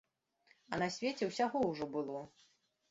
А на свеце ўсяго ўжо было.